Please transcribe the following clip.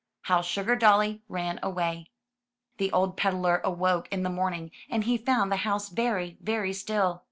HOW SUGARDOLLY RAN AWAY The old peddler awoke in the morning, and he found the house very, very still.